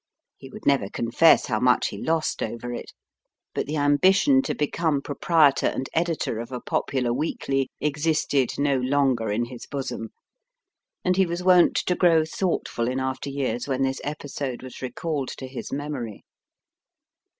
He would never confess how much he lost over it ; but the ambition to become proprietor and editor of a popular weekly existed no longer in his bosom, and he was wont to grow thoughtful in after years when this episode was recalled to his memory.